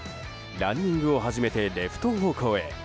ランニングを始めてレフト方向へ。